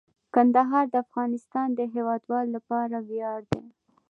کندهار د افغانستان د هیوادوالو لپاره ویاړ دی.